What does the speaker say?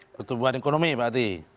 pertumbuhan ekonomi berarti